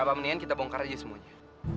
apa mendingan kita bongkar aja semuanya